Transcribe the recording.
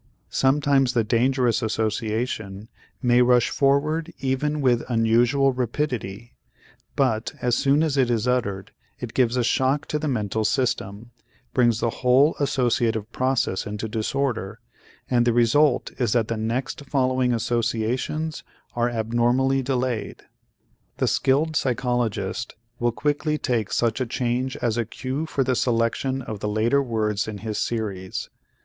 Sometimes the dangerous association may rush forward even with unusual rapidity but, as soon as it is uttered, it gives a shock to the mental system, brings the whole associative process into disorder, and the result is that the next following associations are abnormally delayed. The skilled psychologist will quickly take such a change as a cue for the selection of the later words in his series.